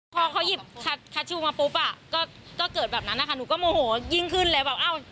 พอเขาหยิบคัชชูมาปุ๊บอ่ะก็เกิดแบบนั้นนะคะหนูก็โมโหยิ่งขึ้นแล้วแบบอ้าว